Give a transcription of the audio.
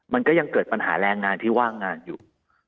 มันก็ยังเกิดปัญหาแรงงานที่ว่างงานอยู่